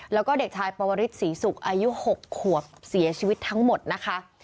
แล้วก็เด็กชายปวริสศรีศุกร์อายุ๖ขวบเสียชีวิตทั้งหมดนะคะ